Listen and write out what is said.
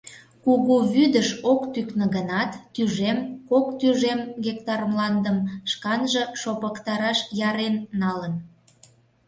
Кугу вӱдыш ок тӱкнӧ гынат, тӱжем, кок тӱжем гектар мландым шканже шопыктараш ярен налын.